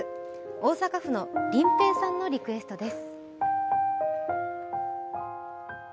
大阪府のりんぺーさんのリクエストです。